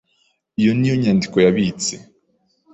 Iyi niyo nyandiko yabitse.